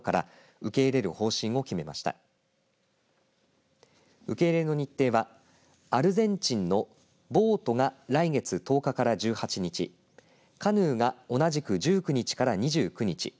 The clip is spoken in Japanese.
受け入れの日程はアルゼンチンのボートが来月１０日から１８日カヌーが同じく１９日から２９日